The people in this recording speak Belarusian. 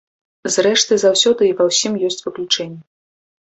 Зрэшты, заўсёды і ва ўсім ёсць выключэнні.